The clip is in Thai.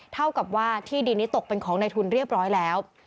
เท่ากับว่าที่ดินนี้ตกเป็นของในทุนเรียบร้อยแล้ว